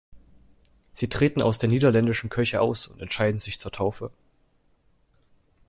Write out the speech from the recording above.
Sie treten aus der niederländischen Kirche aus und entschließen sich zur Taufe.